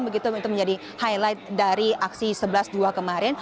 begitu itu menjadi highlight dari aksi sebelas dua kemarin